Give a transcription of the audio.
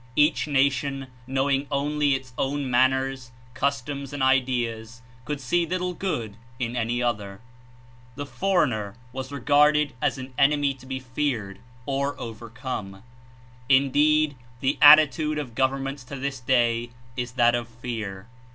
Each na tion, knowing only its own manners, customs and ideas, could see little good in any other. The foreigner was regarded as an enemy The Age to be feared, or overcome. Indeed, the attitude of governments to this day is that of fear.